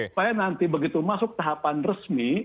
supaya nanti begitu masuk tahapan resmi